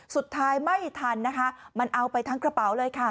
สุดท้ายไม่ทันนะคะมันเอาไปทั้งกระเป๋าเลยค่ะ